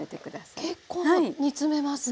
結構煮詰めますね。